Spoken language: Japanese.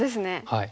はい。